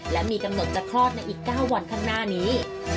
และมีกำหนดจะคลอดในอีก๙วันข้างหน้านี้